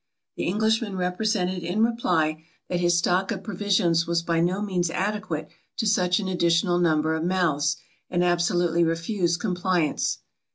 The Englishman represented in reply, that his stock of provisions was by no means adequate to such an additional number of mouths, and absolutely refused compliance.